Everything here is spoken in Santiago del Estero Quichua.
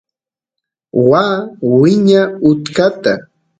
waa wiña utkata